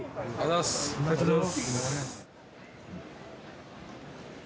ありがとうございます。